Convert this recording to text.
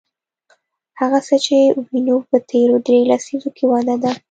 هغه څه چې وینو په تېرو درې لسیزو کې وده ده.